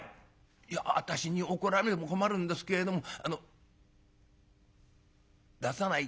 「いや私に怒られても困るんですけれどもあの出さない